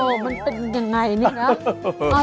โอ้โหมันเป็นอย่างไรเนี่ยครับ